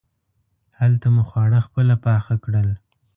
هلته مو خواړه خپله پاخه کړل.